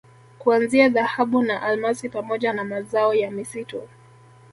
kuanzia Dhahabu na Almasi pamoja na mazao ya misitu